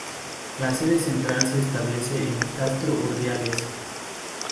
La sede central se establece en Castro Urdiales.